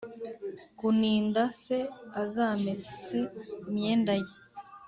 kuninda c azamese imyenda ye